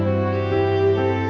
aku mau ke sana